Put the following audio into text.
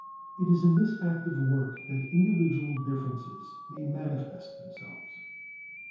It is in this active work that individual differences may manifest themselves.